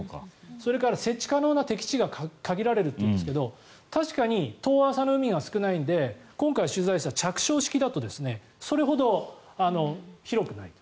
それから設置可能な適地が限られるというんですがたしかに、遠浅の海が少ないので今回取材した着床式だとそれほど広くないと。